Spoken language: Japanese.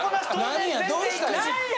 何やどうしたんや。